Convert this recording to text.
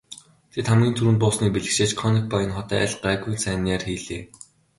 Тэд хамгийн түрүүнд буусныг бэлэгшээж Конекбайн хот айл гайгүй сайн найр хийлээ.